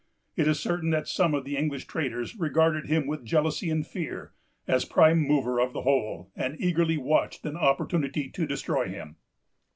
It is certain that some of the English traders regarded him with jealousy and fear, as prime mover of the whole, and eagerly watched an opportunity to destroy him.